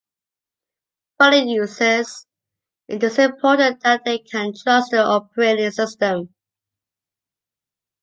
For the users, it is important that they can trust their operating system.